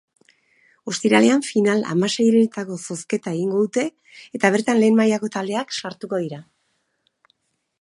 Ostiralean final-hamaseirenetako zozketa egingo dute eta bertan lehen mailako taldeak sartuko dira.